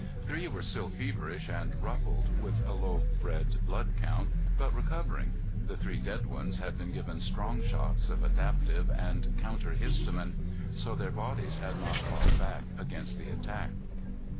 Three were still feverish and ruffled, with a low red blood count, but recovering. The three dead ones had been given strong shots of adaptive and counter histamine, so their bodies had not fought back against the attack.